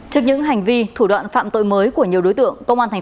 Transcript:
trước những hành vi thủ đoạn phạm tội mới của nhiều đối tượng